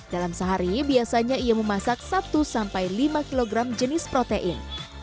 dalam sehari biasanya ia memasak satu sampai lima kg jenis protein